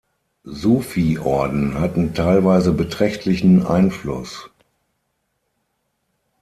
Sufi-Orden hatten teilweise beträchtlichen Einfluss.